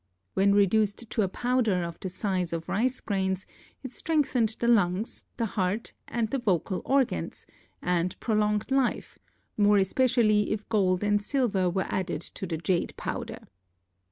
When reduced to a powder of the size of rice grains it strengthened the lungs, the heart, and the vocal organs, and prolonged life, more especially if gold and silver were added to the jade powder.